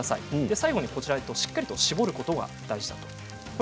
最後にしっかりと絞ることが大事です。